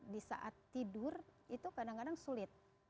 di saat tidur itu kadang kadang sulit